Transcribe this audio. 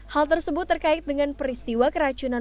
hal tersebut terkait dengan peristiwa keracunan